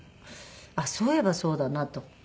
そういえばそうだなと。